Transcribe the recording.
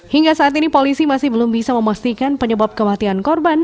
hingga saat ini polisi masih belum bisa memastikan penyebab kematian korban